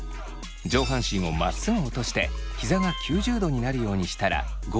上半身をまっすぐ落としてひざが９０度になるようにしたら５秒キープ。